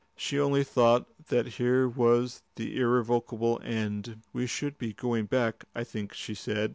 She only thought that here was the irrevocable end. "We should be going back, I think," she said.